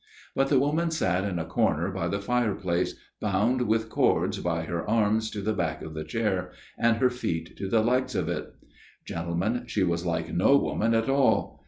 " But the woman sat in a corner by the fireplace, bound with cords by her arms to the back of the chair, and her feet to the legs of it. " Gentlemen, she was like no woman at all.